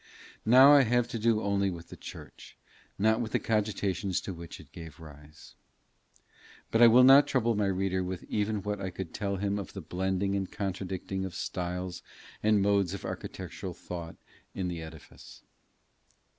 Now I have to do only with the church, not with the cogitations to which it gave rise. But I will not trouble my reader with even what I could tell him of the blending and contradicting of styles and modes of architectural thought in the edifice.